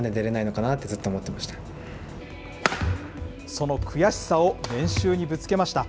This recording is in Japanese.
その悔しさを練習にぶつけました。